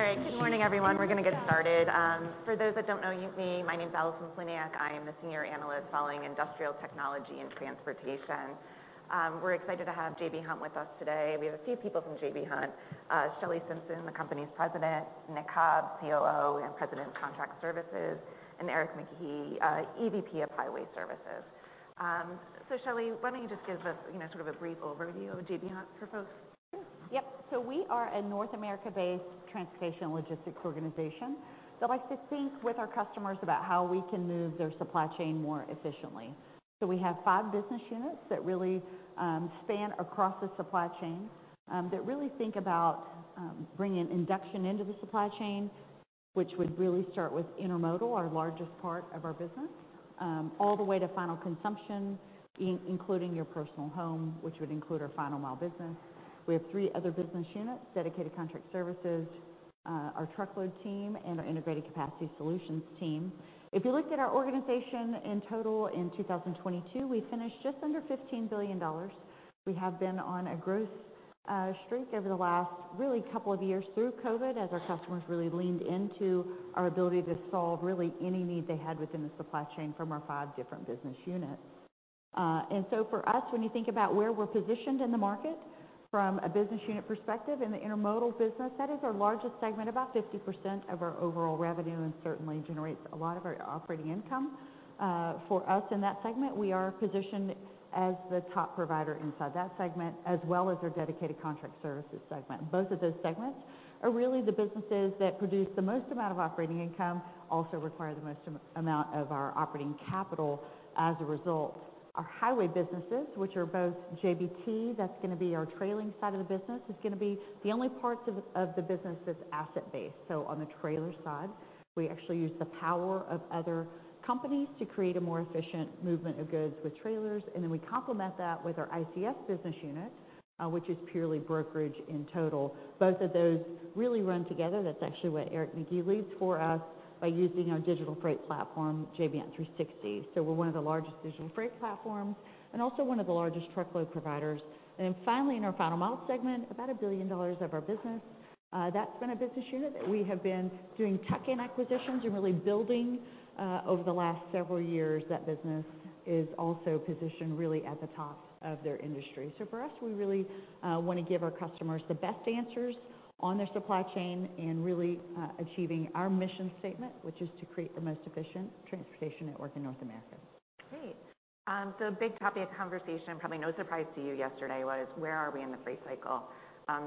All right. Good morning, everyone. We're going to get started. For those that don't know me, my name's Allison Poliniak. I am the senior analyst following industrial technology and transportation. We're excited to have J.B. Hunt with us today. We have a few people from J.B. Hunt. Shelley Simpson, the company's president; Nick Hobbs, COO and president of contract services; and Eric McGee, EVP of Highway Services. Shelley, why don't you just give us, you know, sort of a brief overview of J.B. Hunt for folks? Yep. We are a North America-based transportation logistics organization that likes to think with our customers about how we can move their supply chain more efficiently. We have five business units that really span across the supply chain, that really think about bringing induction into the supply chain, which would really start with intermodal, our largest part of our business, all the way to final consumption, including your personal home, which would include our final mile business. We have three other business units: dedicated contract services, our truckload team, and our integrated capacity solutions team. If you looked at our organization in total in 2022, we finished just under $15 billion. We have been on a growth streak over the last really couple of years through COVID, as our customers really leaned into our ability to solve really any need they had within the supply chain from our five different business units. For us, when you think about where we're positioned in the market from a business unit perspective in the intermodal business, that is our largest segment, about 50% of our overall revenue, and certainly generates a lot of our operating income. For us in that segment, we are positioned as the top provider inside that segment, as well as our dedicated contract services segment. Both of those segments are really the businesses that produce the most amount of operating income, also require the most amount of our operating capital as a result. Our highway businesses, which are both JBT, that's going to be our trailing side of the business, is going to be the only parts of, of the business that's asset-based. On the trailer side, we actually use the power of other companies to create a more efficient movement of goods with trailers. We complement that with our ICS business unit, which is purely brokerage in total. Both of those really run together. That's actually what Eric McGee leads for us by using our digital freight platform, J.B. Hunt 360. We are one of the largest digital freight platforms and also one of the largest truckload providers. Finally, in our final mile segment, about $1 billion of our business, that's been a business unit that we have been doing tuck-in acquisitions and really building, over the last several years. That business is also positioned really at the top of their industry. For us, we really want to give our customers the best answers on their supply chain and really achieving our mission statement, which is to create the most efficient transportation network in North America. Great. A big topic of conversation, probably no surprise to you yesterday, was where are we in the freight cycle?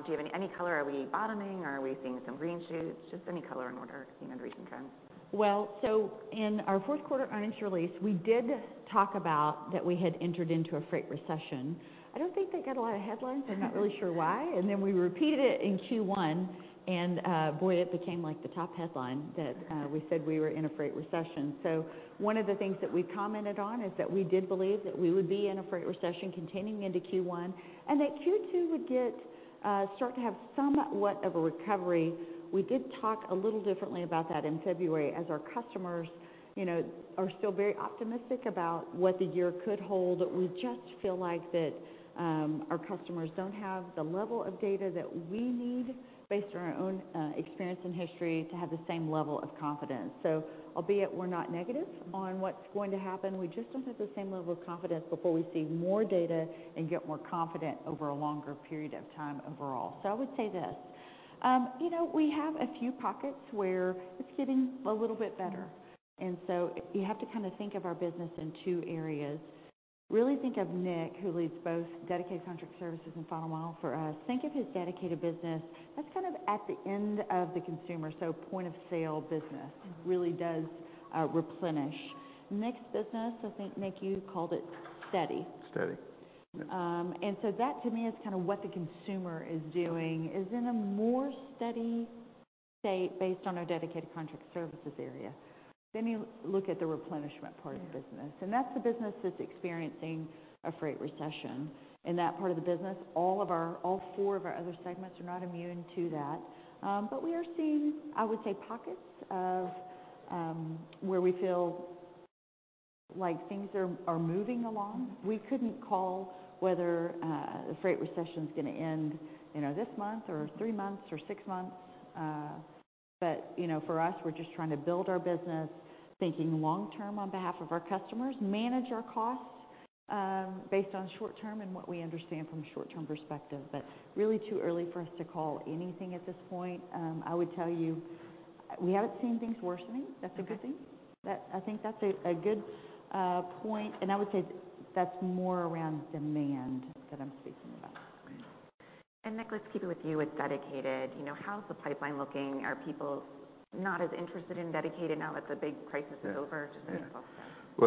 Do you have any color? Are we bottoming, or are we seeing some green shoots? Just any color in order, you know, the recent trends. In our fourth quarter earnings release, we did talk about that we had entered into a freight recession. I do not think that got a lot of headlines. I am not really sure why. We repeated it in Q1, and, boy, it became like the top headline that we said we were in a freight recession. One of the things that we commented on is that we did believe that we would be in a freight recession continuing into Q1 and that Q2 would start to have somewhat of a recovery. We did talk a little differently about that in February as our customers, you know, are still very optimistic about what the year could hold. We just feel like that our customers do not have the level of data that we need based on our own experience and history to have the same level of confidence. Albeit we're not negative on what's going to happen, we just don't have the same level of confidence before we see more data and get more confident over a longer period of time overall. I would say this, you know, we have a few pockets where it's getting a little bit better. You have to kind of think of our business in two areas. Really think of Nick, who leads both dedicated contract services and final mile for us. Think of his dedicated business that's kind of at the end of the consumer. So point of sale business really does, replenish. Nick's business, I think Nick, you called it steady. Steady. That to me is kind of what the consumer is doing, is in a more steady state based on our dedicated contract services area. Then you look at the replenishment part of the business. Mm-hmm. That's the business that's experiencing a freight recession. In that part of the business, all four of our other segments are not immune to that. We are seeing, I would say, pockets of where we feel like things are moving along. We couldn't call whether the freight recession's going to end, you know, this month or three months or six months. You know, for us, we're just trying to build our business, thinking long-term on behalf of our customers, manage our costs based on short-term and what we understand from a short-term perspective. Really too early for us to call anything at this point. I would tell you we haven't seen things worsening. That's a good thing. Okay. I think that's a good point. I would say that's more around demand that I'm speaking about. Right. Nick, let's keep it with you with dedicated. You know, how's the pipeline looking? Are people not as interested in dedicated now that the big crisis is over? Just thinking about that.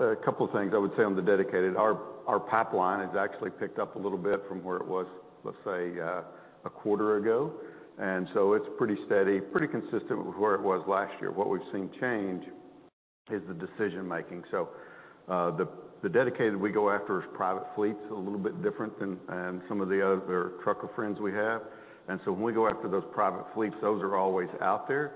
Yeah. A couple of things I would say on the dedicated. Our pipeline has actually picked up a little bit from where it was, let's say, a quarter ago. It is pretty steady, pretty consistent with where it was last year. What we've seen change is the decision-making. The dedicated we go after is private fleets, a little bit different than some of the other trucker friends we have. When we go after those private fleets, those are always out there.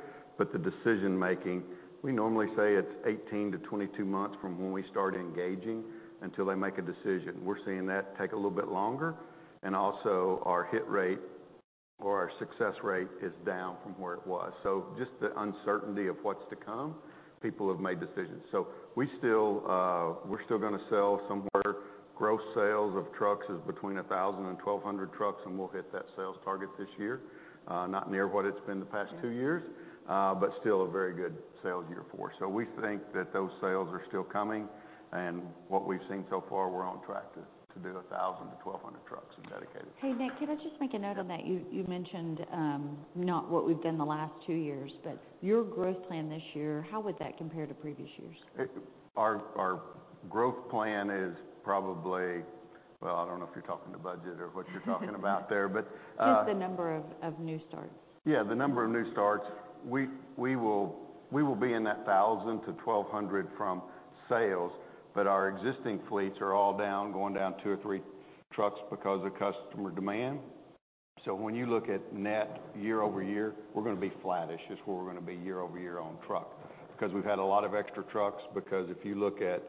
The decision-making, we normally say it's 18-22 months from when we start engaging until they make a decision. We're seeing that take a little bit longer. Also, our hit rate or our success rate is down from where it was. Just the uncertainty of what's to come, people have made decisions. We are still going to sell somewhere gross sales of trucks is between 1,000 and 1,200 trucks, and we'll hit that sales target this year, not near what it's been the past two years, but still a very good sales year for us. We think that those sales are still coming. What we've seen so far, we're on track to do 1,000-1,200 trucks in dedicated. Hey, Nick, can I just make a note on that? You mentioned, not what we've done the last two years, but your growth plan this year, how would that compare to previous years? Our growth plan is probably, I don't know if you're talking to budget or what you're talking about there, but, Just the number of new starts. Yeah. The number of new starts, we will be in that 1,000-1,200 from sales, but our existing fleets are all down, going down two or three trucks because of customer demand. When you look at net year over year, we're going to be flattish is where we're going to be year over year on truck because we've had a lot of extra trucks. If you look at,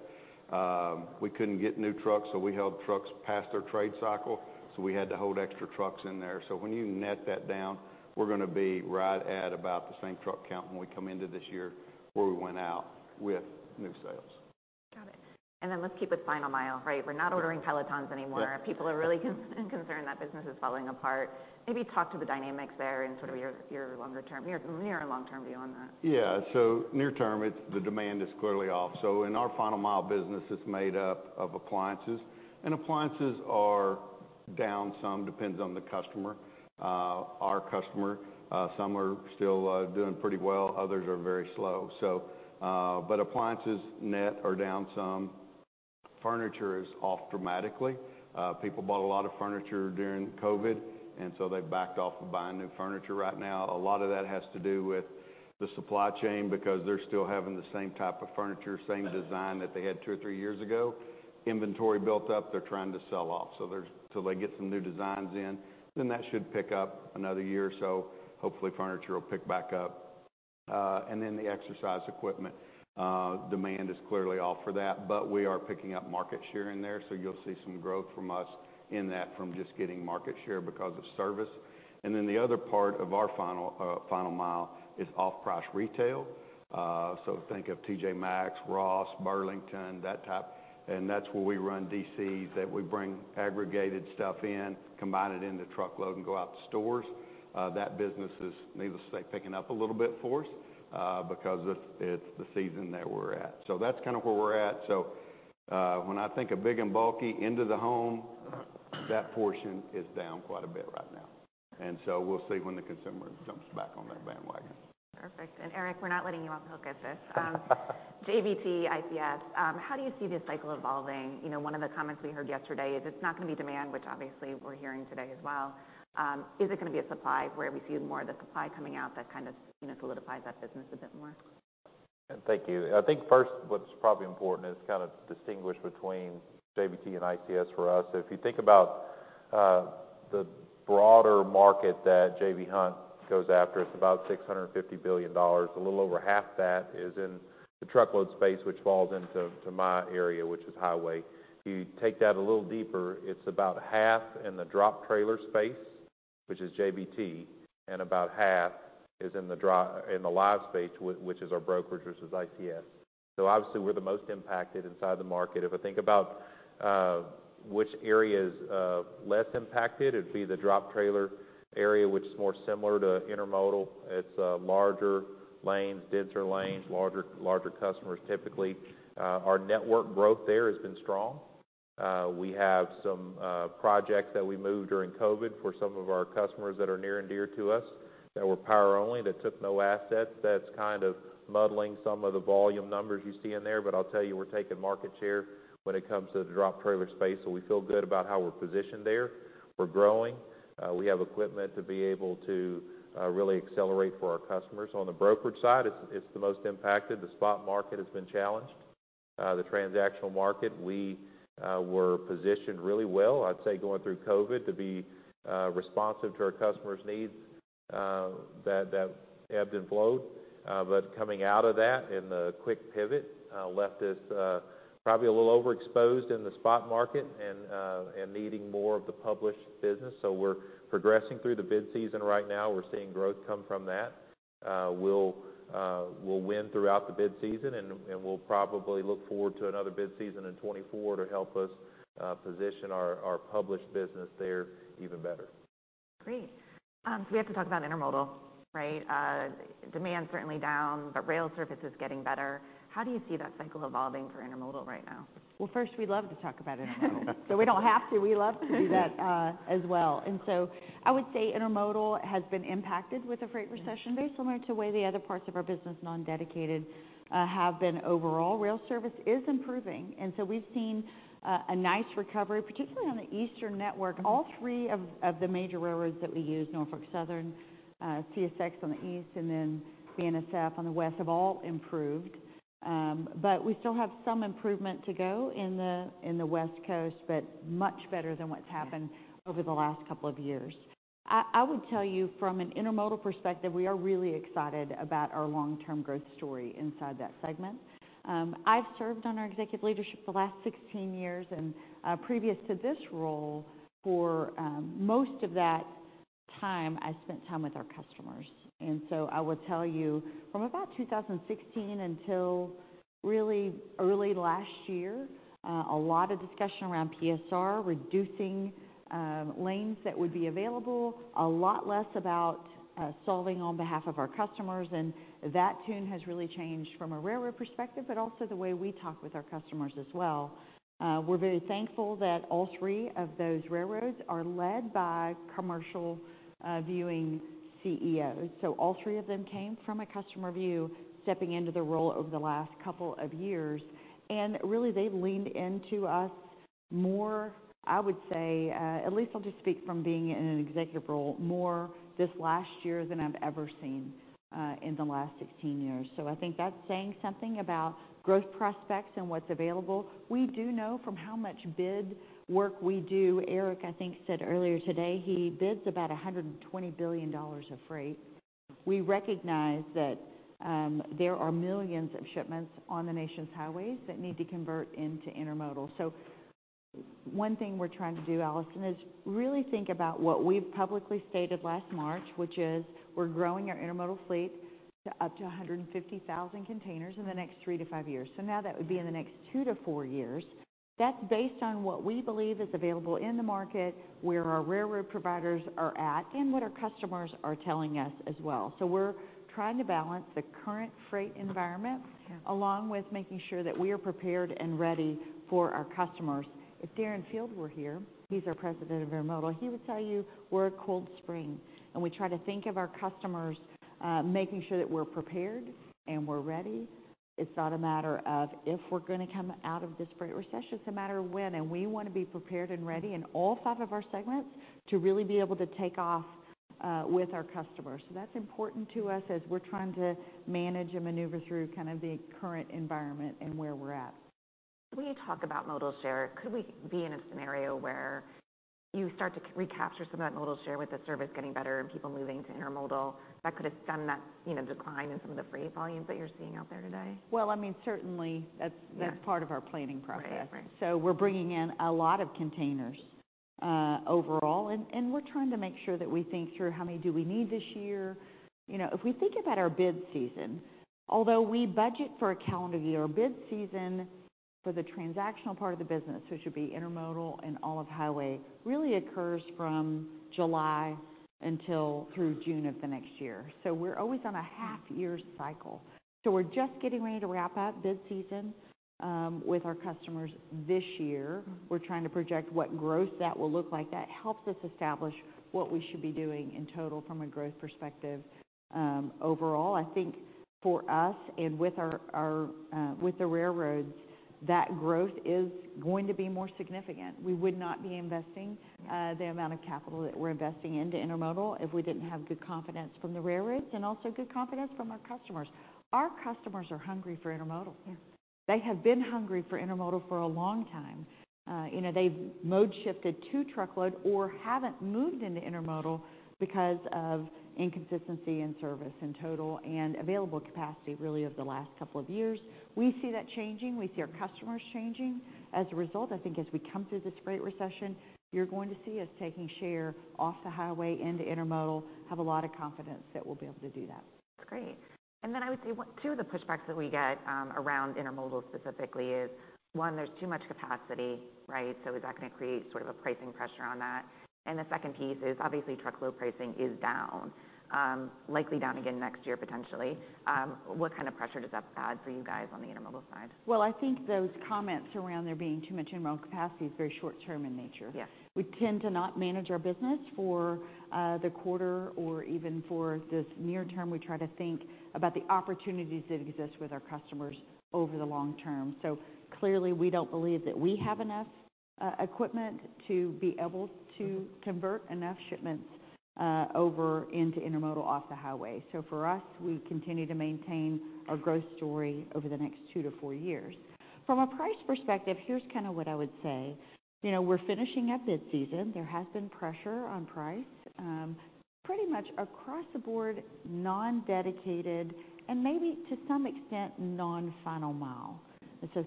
we couldn't get new trucks, so we held trucks past their trade cycle. We had to hold extra trucks in there. When you net that down, we're going to be right at about the same truck count when we come into this year where we went out with new sales. Got it. Let's keep with final mile, right? We're not ordering Pelotons anymore. People are really concerned that business is falling apart. Maybe talk to the dynamics there and sort of your longer term, your near and long-term view on that. Yeah. Near term, the demand is clearly off. In our final mile business, it's made up of Appliances. Appliances are down some, depends on the customer, our customer. Some are still doing pretty well. Others are very slow. Appliances net are down some. Furniture is off dramatically. People bought a lot of Furniture during COVID, and they backed off of buying new Furniture right now. A lot of that has to do with the supply chain because they're still having the same type of Furniture, same design that they had two or three years ago. Inventory built up. They're trying to sell off. Till they get some new designs in, then that should pick up another year or so. Hopefully, Furniture will pick back up. and then the Exercise equipment, demand is clearly off for that, but we are picking up market share in there. You'll see some growth from us in that from just getting market share because of service. The other part of our final mile is off-price retail. So think of T.J. Maxx, Ross, Burlington, that type. That's where we run DCs that we bring aggregated stuff in, combine it into truckload, and go out to stores. That business is, needless to say, picking up a little bit for us, because it's the season that we're at. That's kind of where we're at. When I think of big and bulky into the home, that portion is down quite a bit right now. We'll see when the consumer jumps back on that bandwagon. Perfect. Eric, we're not letting you off the hook at this. JBT, ICS, how do you see this cycle evolving? You know, one of the comments we heard yesterday is it's not going to be demand, which obviously we're hearing today as well. Is it going to be a supply where we see more of the supply coming out that kind of, you know, solidifies that business a bit more? Thank you. I think first what's probably important is kind of distinguish between JBT and ICS for us. If you think about, the broader market that J.B. Hunt goes after, it's about $650 billion. A little over half of that is in the truckload space, which falls into, to my area, which is highway. You take that a little deeper, it's about half in the drop trailer space, which is JBT, and about half is in the live space, which is our brokerage versus ICS. Obviously, we're the most impacted inside the market. If I think about which areas, less impacted, it'd be the drop trailer area, which is more similar to intermodal. It's larger lanes, denser lanes, larger, larger customers typically. Our network growth there has been strong. We have some projects that we moved during COVID for some of our customers that are near and dear to us that were power-only, that took no assets. That is kind of muddling some of the volume numbers you see in there. I will tell you, we are taking market share when it comes to the drop trailer space. We feel good about how we are positioned there. We are growing. We have equipment to be able to really accelerate for our customers. On the brokerage side, it is the most impacted. The spot market has been challenged. The transactional market, we were positioned really well, I would say, going through COVID to be responsive to our customers' needs, that ebbed and flowed. Coming out of that in the quick pivot left us probably a little overexposed in the spot market and needing more of the published business. We're progressing through the bid season right now. We're seeing growth come from that. We'll win throughout the bid season, and we'll probably look forward to another bid season in 2024 to help us position our published business there even better. Great. We have to talk about intermodal, right? Demand's certainly down, but rail service is getting better. How do you see that cycle evolving for intermodal right now? First, we'd love to talk about intermodal. We love to do that, as well. I would say intermodal has been impacted with the freight recession very similar to the way the other parts of our business, non-dedicated, have been overall. Rail service is improving. We have seen a nice recovery, particularly on the eastern network. All three of the major railroads that we use, Norfolk Southern, CSX on the east, and then BNSF on the west, have all improved. We still have some improvement to go in the West Coast, but much better than what has happened over the last couple of years. I would tell you from an intermodal perspective, we are really excited about our long-term growth story inside that segment. I've served on our executive leadership the last 16 years. Previous to this role, for most of that time, I spent time with our customers. I would tell you from about 2016 until really early last year, a lot of discussion around PSR, reducing lanes that would be available, a lot less about solving on behalf of our customers. That tune has really changed from a railroad perspective, but also the way we talk with our customers as well. We are very thankful that all three of those railroads are led by commercial-viewing CEOs. All three of them came from a customer view, stepping into the role over the last couple of years. They leaned into us more, I would say, at least I will just speak from being in an executive role, more this last year than I have ever seen in the last 16 years. I think that's saying something about growth prospects and what's available. We do know from how much bid work we do. Eric, I think, said earlier today he bids about $120 billion of freight. We recognize that there are millions of shipments on the nation's highways that need to convert into intermodal. One thing we're trying to do, Allison, is really think about what we've publicly stated last March, which is we're growing our intermodal fleet to up to 150,000 containers in the next three to five years. Now that would be in the next two to four years. That's based on what we believe is available in the market, where our railroad providers are at, and what our customers are telling us as well. We're trying to balance the current freight environment along with making sure that we are prepared and ready for our customers. If Darren Field were here, he's our President of Intermodal, he would tell you we're a cold spring. We try to think of our customers, making sure that we're prepared and we're ready. It's not a matter of if we're going to come out of this freight recession. It's a matter of when. We wanna be prepared and ready in all five of our segments to really be able to take off, with our customers. That's important to us as we're trying to manage and maneuver through kind of the current environment and where we're at. When you talk about modal share, could we be in a scenario where you start to recapture some of that modal share with the service getting better and people moving to intermodal? That could have stunned that, you know, decline in some of the freight volumes that you're seeing out there today. I mean, certainly, that's part of our planning process. Right. Right. We're bringing in a lot of containers, overall. And we're trying to make sure that we think through how many do we need this year. You know, if we think about our bid season, although we budget for a calendar year, our bid season for the transactional part of the business, which would be intermodal and all of highway, really occurs from July through June of the next year. We're always on a half-year cycle. We're just getting ready to wrap up bid season with our customers this year. We're trying to project what growth that will look like. That helps us establish what we should be doing in total from a growth perspective, overall. I think for us and with the railroads, that growth is going to be more significant. We would not be investing the amount of capital that we're investing into intermodal if we didn't have good confidence from the railroads and also good confidence from our customers. Our customers are hungry for intermodal. Yeah. They have been hungry for intermodal for a long time. You know, they've mode-shifted to truckload or haven't moved into intermodal because of inconsistency in service in total and available capacity, really, over the last couple of years. We see that changing. We see our customers changing. As a result, I think as we come through this freight recession, you're going to see us taking share off the highway into intermodal. Have a lot of confidence that we'll be able to do that. That's great. I would say what two of the pushbacks that we get, around intermodal specifically is one, there's too much capacity, right? Is that going to create sort of a pricing pressure on that? The second piece is obviously truckload pricing is down, likely down again next year potentially. What kind of pressure does that add for you guys on the intermodal side? I think those comments around there being too much intermodal capacity is very short-term in nature. Yeah. We tend to not manage our business for the quarter or even for this near term. We try to think about the opportunities that exist with our customers over the long term. Clearly, we don't believe that we have enough equipment to be able to convert enough shipments over into intermodal off the highway. For us, we continue to maintain our growth story over the next two to four years. From a price perspective, here's kind of what I would say. You know, we're finishing up bid season. There has been pressure on price, pretty much across the board, non-dedicated and maybe to some extent non-final mile.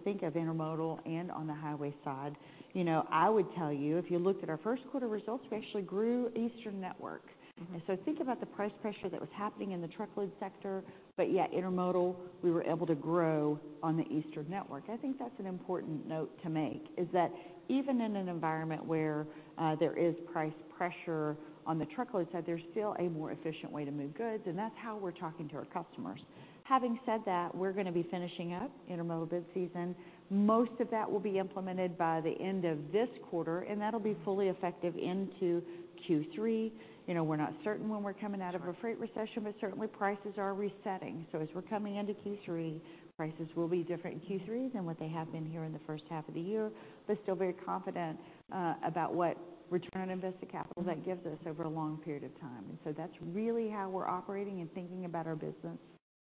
Think of intermodal and on the highway side. You know, I would tell you if you looked at our first quarter results, we actually grew eastern network. Mm-hmm. Think about the price pressure that was happening in the truckload sector. Intermodal, we were able to grow on the eastern network. I think that's an important note to make is that even in an environment where there is price pressure on the truckload side, there's still a more efficient way to move goods. That's how we're talking to our customers. Having said that, we're going to be finishing up intermodal bid season. Most of that will be implemented by the end of this quarter, and that'll be fully effective into Q3. You know, we're not certain when we're coming out of a freight recession, but certainly prices are resetting. As we're coming into Q3, prices will be different in Q3 than what they have been here in the first half of the year, but still very confident about what return on invested capital that gives us over a long period of time. That is really how we're operating and thinking about our business.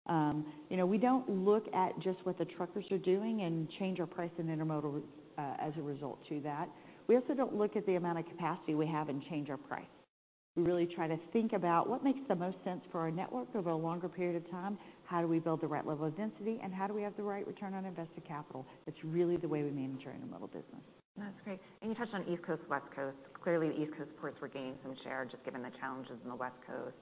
You know, we don't look at just what the truckers are doing and change our price in intermodal as a result to that. We also don't look at the amount of capacity we have and change our price. We really try to think about what makes the most sense for our network over a longer period of time, how do we build the right level of density, and how do we have the right return on invested capital. It's really the way we manage our intermodal business. That's great. You touched on East Coast, West Coast. Clearly, the East Coast ports were gaining some share just given the challenges in the West Coast.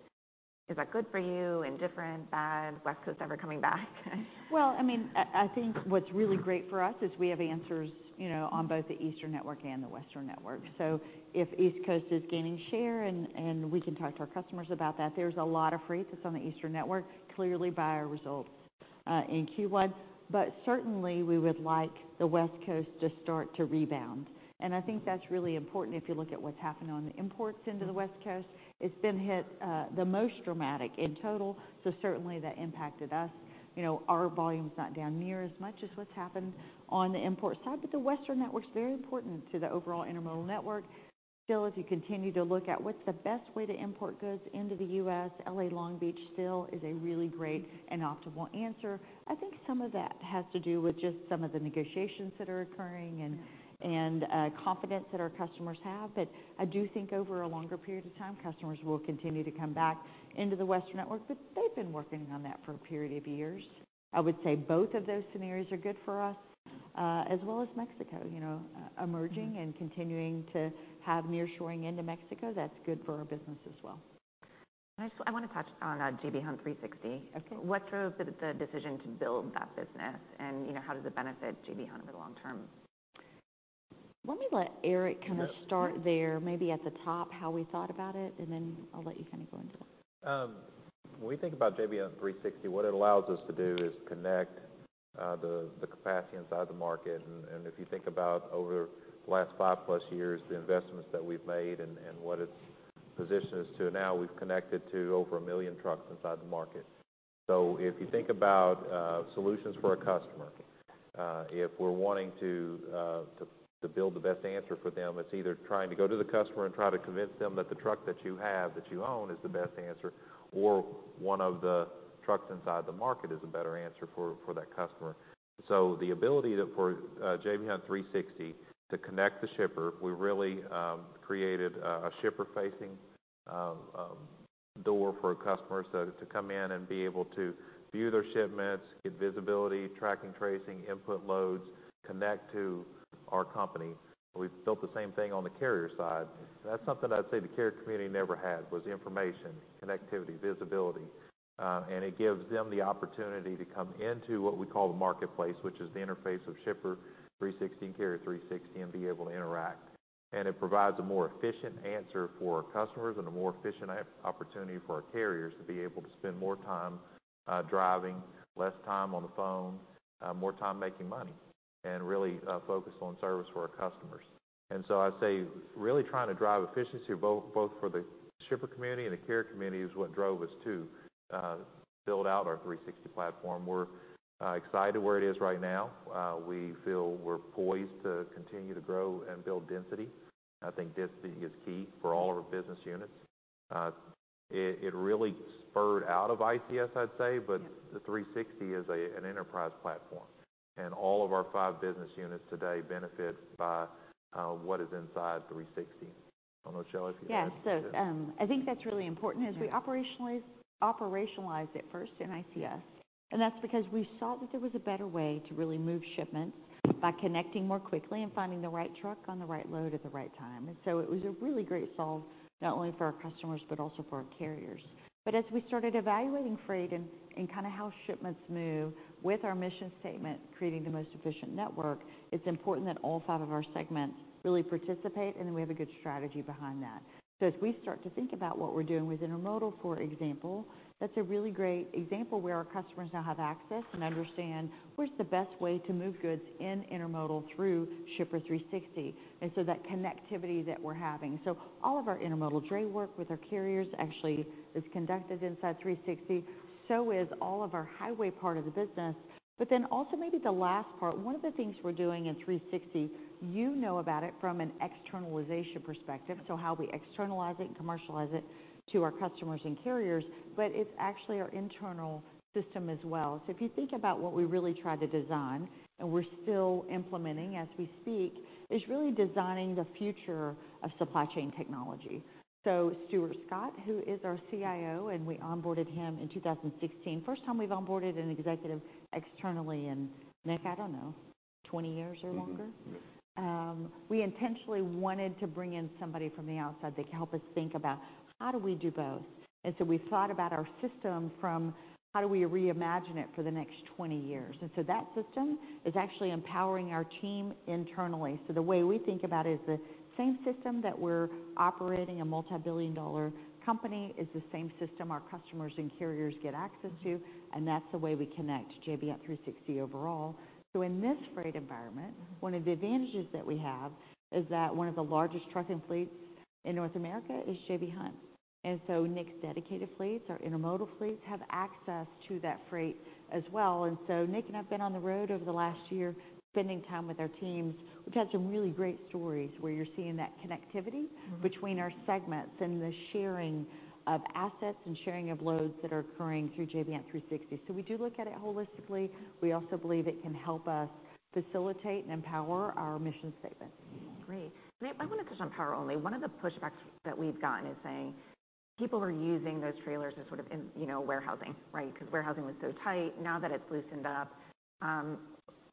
Is that good for you? Indifferent? Bad? West Coast ever coming back? I think what's really great for us is we have answers, you know, on both the eastern network and the western network. If East Coast is gaining share and we can talk to our customers about that, there's a lot of freight that's on the eastern network, clearly by our results, in Q1. Certainly, we would like the West Coast to start to rebound. I think that's really important if you look at what's happened on the imports into the West Coast. It's been hit, the most dramatic in total. Certainly, that impacted us. You know, our volume's not down near as much as what's happened on the import side. The western network's very important to the overall intermodal network. Still, if you continue to look at what's the best way to import goods into the U.S., LA Long Beach still is a really great and optimal answer. I think some of that has to do with just some of the negotiations that are occurring and confidence that our customers have. I do think over a longer period of time, customers will continue to come back into the western network, but they've been working on that for a period of years. I would say both of those scenarios are good for us, as well as Mexico, you know, emerging and continuing to have nearshoring into Mexico. That's good for our business as well. I wanna touch on J.B. Hunt 360. Okay. What drove the decision to build that business? You know, how does it benefit J.B. Hunt over the long term? Let me let Eric kind of start there. Sure. Maybe at the top how we thought about it, and then I'll let you kind of go into that. When we think about J.B. Hunt 360, what it allows us to do is connect the capacity inside the market. If you think about over the last five-plus years, the investments that we've made and what it's positioned us to now, we've connected to over a million trucks inside the market. If you think about solutions for a customer, if we're wanting to build the best answer for them, it's either trying to go to the customer and try to convince them that the truck that you have, that you own, is the best answer, or one of the trucks inside the market is a better answer for that customer. The ability that for J.B.Hunt 360 to connect the Shipper, we really created a Shipper-facing door for our customers to come in and be able to view their shipments, get visibility, tracking, tracing, input loads, connect to our company. We have built the same thing on the carrier side. That is something I would say the carrier community never had was information, connectivity, visibility. It gives them the opportunity to come into what we call the marketplace, which is the interface of Shipper 360 and Carrier 360, and be able to interact. It provides a more efficient answer for our customers and a more efficient opportunity for our carriers to be able to spend more time driving, less time on the phone, more time making money, and really focus on service for our customers. I'd say really trying to drive efficiency both for the Shipper community and the carrier community is what drove us to build out our 360 platform. We're excited where it is right now. We feel we're poised to continue to grow and build density. I think density is key for all of our business units. It really spurred out of ICS, I'd say, but. Yeah. The 360 is a, an enterprise platform. All of our five business units today benefit by, what is inside 360. I do not know, Shelley, if you have anything to add. Yeah. I think that's really important as we operationalize it first in ICS. That's because we saw that there was a better way to really move shipments by connecting more quickly and finding the right truck on the right load at the right time. It was a really great solve, not only for our customers but also for our carriers. As we started evaluating freight and kind of how shipments move with our mission statement, creating the most efficient network, it's important that all five of our segments really participate, and that we have a good strategy behind that. As we start to think about what we're doing with intermodal, for example, that's a really great example where our customers now have access and understand where's the best way to move goods in intermodal through Shipper 360.That connectivity that we're having, all of our intermodal dray work with our carriers actually is conducted inside 360. All of our highway part of the business is as well. Maybe the last part, one of the things we're doing in 360, you know about it from an externalization perspective, how we externalize it and commercialize it to our customers and carriers, but it's actually our internal system as well. If you think about what we really tried to design and we're still implementing as we speak, it is really designing the future of supply chain technology. Stuart Scott, who is our CIO, we onboarded him in 2016. First time we've onboarded an executive externally in, Nick, I don't know, 20 years or longer. Yeah. Yeah. We intentionally wanted to bring in somebody from the outside that could help us think about how do we do both. We have thought about our system from how do we reimagine it for the next 20 years. That system is actually empowering our team internally. The way we think about it is the same system that we are operating a multi-billion dollar company on is the same system our customers and carriers get access to. That is the way we connect J.B. Hunt 360 overall. In this freight environment. Mm-hmm. One of the advantages that we have is that one of the largest trucking fleets in North America is J.B. Hunt's. Nick's dedicated fleets or intermodal fleets have access to that freight as well. Nick and I have been on the road over the last year spending time with our teams. We have had some really great stories where you are seeing that connectivity. Mm-hmm. Between our segments and the sharing of assets and sharing of loads that are occurring through J.B. Hunt 360. We do look at it holistically. We also believe it can help us facilitate and empower our mission statement. Great. I want to touch on power only. One of the pushbacks that we've gotten is saying people are using those trailers as sort of in, you know, warehousing, right? 'Cause warehousing was so tight. Now that it's loosened up,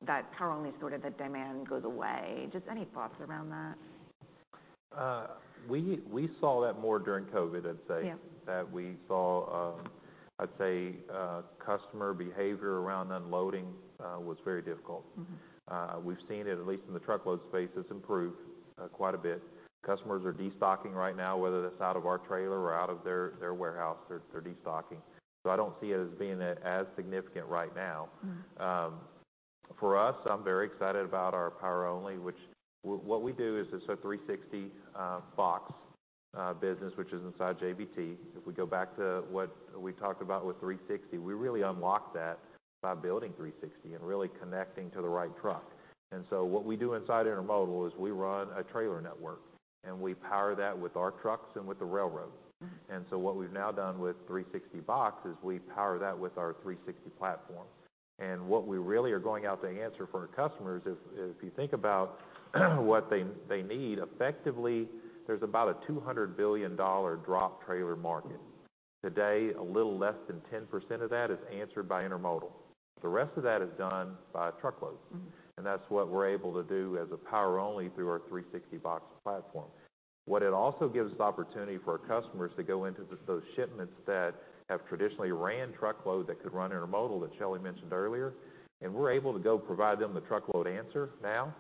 that power only sort of the demand goes away. Just any thoughts around that? We saw that more during COVID, I'd say. Yeah. That we saw, I'd say, customer behavior around unloading was very difficult. Mm-hmm. We've seen it, at least in the truckload space, has improved quite a bit. Customers are destocking right now, whether that's out of our trailer or out of their warehouse. They're destocking. I don't see it as being as significant right now. Mm-hmm. For us, I'm very excited about our power only, which what we do is it's a 360 Box business, which is inside JBT. If we go back to what we talked about with 360, we really unlocked that by building 360 and really connecting to the right truck. What we do inside intermodal is we run a trailer network, and we power that with our trucks and with the railroad. Mm-hmm. What we have now done with 360 Box is we power that with our 360 platform. What we really are going out to answer for our customers is, if you think about what they need, effectively, there is about a $200 billion drop trailer market. Today, a little less than 10% of that is answered by intermodal. The rest of that is done by truckload. Mm-hmm. That is what we are able to do as a power only through our 360 Box platform. What it also gives is the opportunity for our customers to go into those shipments that have traditionally ran truckload that could run intermodal that Shelley mentioned earlier. We are able to go provide them the truckload answer now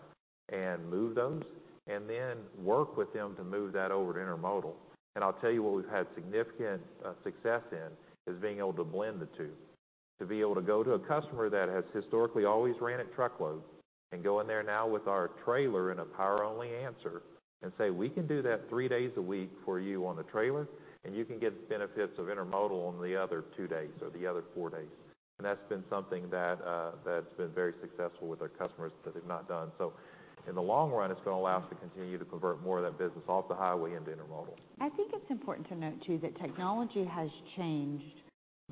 and move those and then work with them to move that over to intermodal. I'll tell you what we've had significant success in is being able to blend the two, to be able to go to a customer that has historically always ran it truckload and go in there now with our trailer and a power only answer and say, "We can do that three days a week for you on the trailer, and you can get benefits of intermodal on the other two days or the other four days. " That's been something that has been very successful with our customers that they've not done. In the long run, it's going to allow us to continue to convert more of that business off the highway into intermodal. I think it's important to note too that technology has changed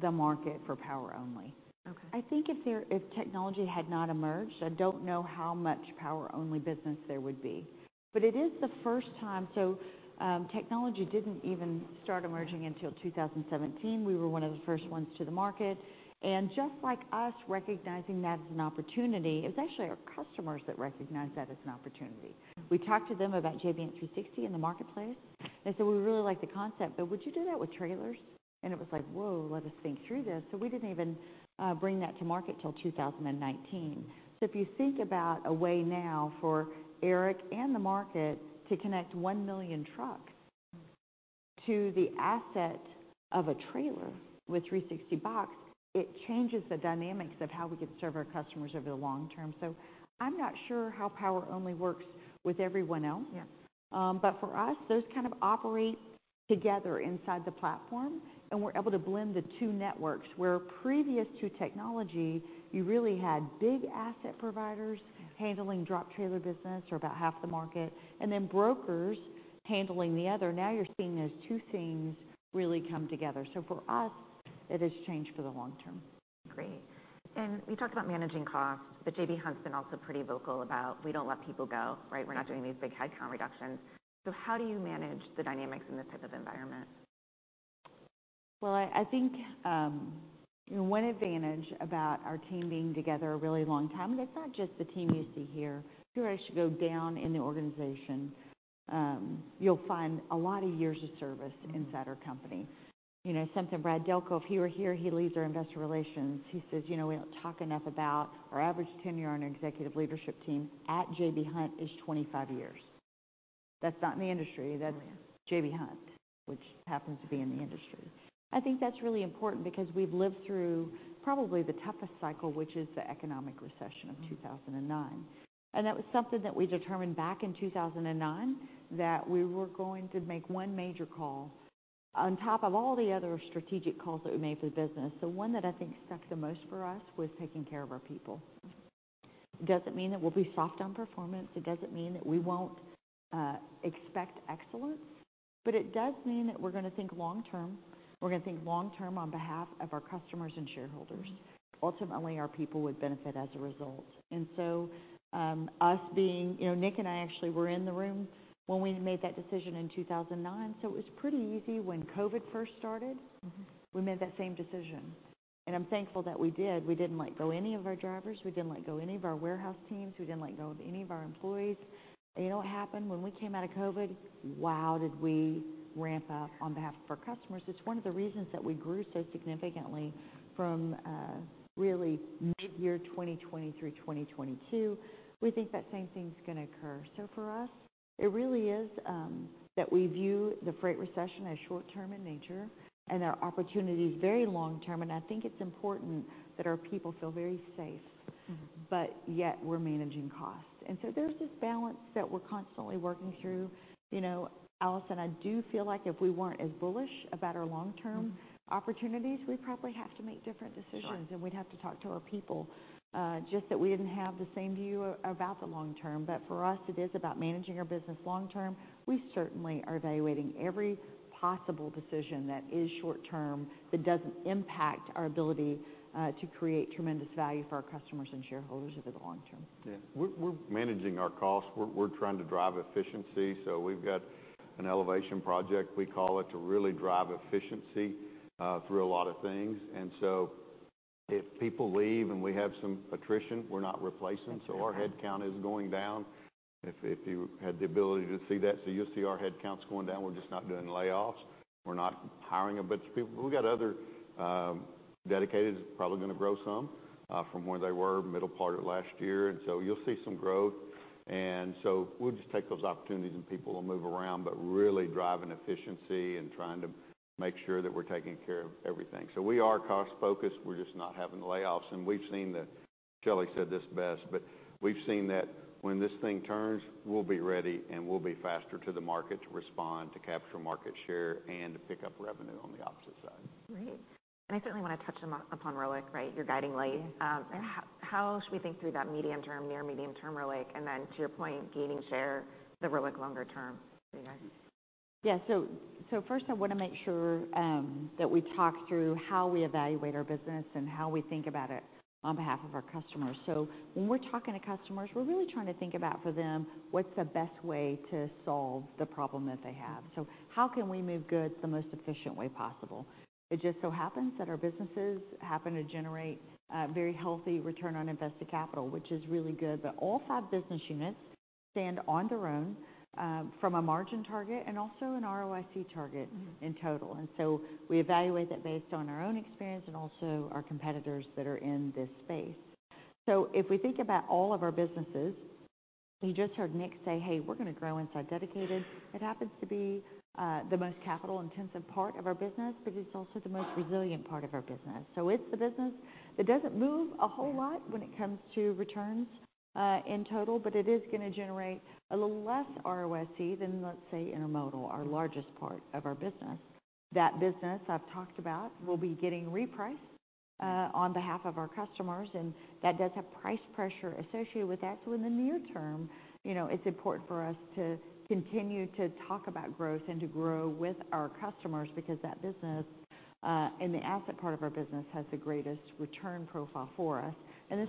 the market for power only. Okay. I think if technology had not emerged, I don't know how much power only business there would be. It is the first time, so technology didn't even start emerging until 2017. We were one of the first ones to the market. Just like us recognizing that as an opportunity, it was actually our customers that recognized that as an opportunity. We talked to them about J.B. Hunt 360 in the marketplace. They said, "We really like the concept, but would you do that with trailers?" It was like, "Whoa, let us think through this." We didn't even bring that to market till 2019.If you think about a way now for Eric and the market to connect one million trucks to the asset of a trailer with 360 Box, it changes the dynamics of how we can serve our customers over the long term. I'm not sure how power only works with everyone else. Yeah. For us, those kind of operate together inside the platform, and we're able to blend the two networks where previous to technology, you really had big asset providers handling drop trailer business or about half the market, and then brokers handling the other. Now you're seeing those two things really come together. For us, it has changed for the long term. Great. We talked about managing costs, but J.B. Hunt's been also pretty vocal about, "We don't let people go," right? "We're not doing these big headcount reductions." How do you manage the dynamics in this type of environment? I think, you know, one advantage about our team being together a really long time, and it's not just the team you see here. If you actually go down in the organization, you'll find a lot of years of service inside our company. You know, something Brad Delco, if he were here, he leads our investor relations. He says, you know, we don't talk enough about our average tenure on an executive leadership team at J.B. Hunt is 25 years. That's not in the industry. That's. Oh, yeah. J.B. Hunt, which happens to be in the industry. I think that's really important because we've lived through probably the toughest cycle, which is the economic recession of 2009. That was something that we determined back in 2009 that we were going to make one major call on top of all the other strategic calls that we made for the business. The one that I think stuck the most for us was taking care of our people. Mm-hmm. It doesn't mean that we'll be soft on performance. It doesn't mean that we won't, expect excellence, but it does mean that we're going to think long term. We're going to think long term on behalf of our customers and shareholders. Ultimately, our people would benefit as a result. Us being, you know, Nick and I actually were in the room when we made that decision in 2009. It was pretty easy when COVID first started. Mm-hmm. We made that same decision. I'm thankful that we did. We didn't let go any of our drivers. We didn't let go any of our warehouse teams. We didn't let go of any of our employees. You know what happened? When we came out of COVID, wow, did we ramp up on behalf of our customers. It's one of the reasons that we grew so significantly from really mid-year 2020 through 2022. We think that same thing's going to occur. For us, it really is that we view the freight recession as short term in nature, and there are opportunities very long term. I think it's important that our people feel very safe. Mm-hmm. Yet we're managing costs. There is this balance that we're constantly working through. You know, Allison, I do feel like if we weren't as bullish about our long term. Mm-hmm. Opportunities, we'd probably have to make different decisions. Sure. We'd have to talk to our people, just that we didn't have the same view about the long term. For us, it is about managing our business long term. We certainly are evaluating every possible decision that is short term that doesn't impact our ability to create tremendous value for our customers and shareholders over the long term. Yeah. We're managing our costs. We're trying to drive efficiency. We've got an elevation project, we call it, to really drive efficiency through a lot of things. If people leave and we have some attrition, we're not replacing. Mm-hmm. Our headcount is going down. If you had the ability to see that, you'll see our headcount is going down. We're just not doing layoffs. We're not hiring a bunch of people. We got other, dedicated, probably going to grow some from where they were middle part of last year. You'll see some growth. We'll just take those opportunities, and people will move around, but really driving efficiency and trying to make sure that we're taking care of everything. We are cost focused. We're just not having layoffs. Shelley said this best, but we've seen that when this thing turns, we'll be ready, and we'll be faster to the market to respond, to capture market share, and to pick up revenue on the opposite side. Great. I certainly wanna touch upon ROIC, right? Your guiding light. How should we think through that medium term, near medium term ROIC, and then to your point, gaining share, the ROIC longer term for you guys? Yeah. First, I wanna make sure that we talk through how we evaluate our business and how we think about it on behalf of our customers. When we're talking to customers, we're really trying to think about for them what's the best way to solve the problem that they have. How can we move goods the most efficient way possible? It just so happens that our businesses happen to generate very healthy return on invested capital, which is really good. All five business units stand on their own, from a margin target and also an ROIC target. Mm-hmm. In total. We evaluate that based on our own experience and also our competitors that are in this space. If we think about all of our businesses, you just heard Nick say, "Hey, we're going to grow inside dedicated." It happens to be the most capital intensive part of our business, but it's also the most resilient part of our business. It's the business that doesn't move a whole lot when it comes to returns, in total, but it is going to generate a little less ROIC than, let's say, intermodal, our largest part of our business. That business I've talked about will be getting repriced, on behalf of our customers, and that does have price pressure associated with that. In the near term, you know, it's important for us to continue to talk about growth and to grow with our customers because that business, in the asset part of our business, has the greatest return profile for us.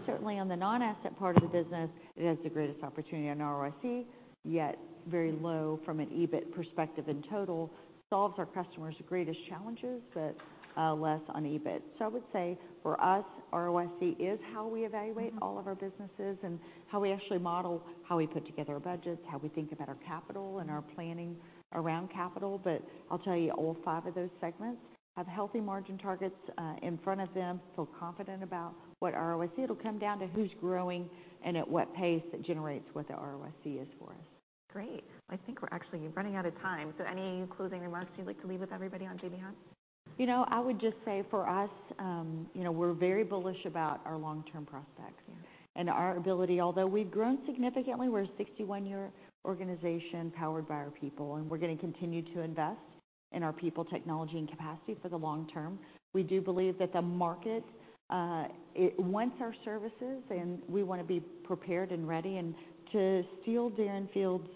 Certainly, on the non-asset part of the business, it has the greatest opportunity on ROIC, yet very low from an EBIT perspective in total, solves our customers' greatest challenges, but less on EBIT. I would say for us, ROIC is how we evaluate all of our businesses and how we actually model how we put together our budgets, how we think about our capital, and our planning around capital. I'll tell you, all five of those segments have healthy margin targets in front of them, feel confident about what ROIC.It'll come down to who's growing and at what pace it generates what the ROIC is for us. Great. I think we're actually running out of time. Any closing remarks you'd like to leave with everybody on J.B. Hunt? You know, I would just say for us, you know, we're very bullish about our long term prospects. Yeah. Our ability, although we've grown significantly, we're a 61-year organization powered by our people, and we're going to continue to invest in our people, technology, and capacity for the long term. We do believe that the market, it wants our services, and we wanna be prepared and ready. To steal Darren Field's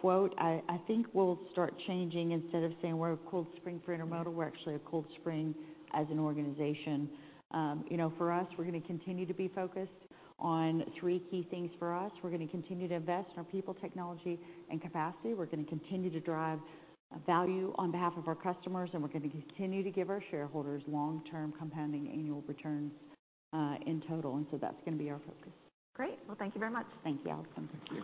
quote, I think we'll start changing. Instead of saying we're a cold spring for intermodal, we're actually a cold spring as an organization. You know, for us, we're going to continue to be focused on three key things for us. We're going to continue to invest in our people, technology, and capacity. We're going to continue to drive value on behalf of our customers, and we're going to continue to give our shareholders long term compounding annual returns, in total. That's going to be our focus. Great. Thank you very much. Thank you, Allison. Thank you.